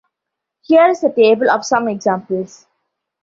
Here is a table of some examples.